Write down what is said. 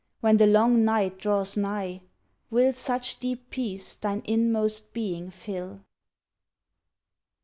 when the long night draws nigh Will such deep peace thine inmost being fill?